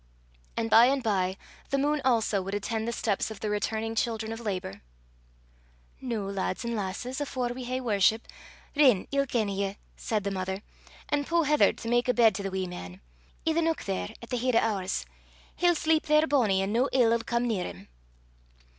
And by and by the moon also would attend the steps of the returning children of labour. "Noo, lads an' lasses, afore we hae worship, rin, ilk ane o' ye," said the mother, "an' pu' heather to mak a bed to the wee man i' the neuk there, at the heid o' oors. He'll sleep there bonnie, an' no ill 'ill come near 'im."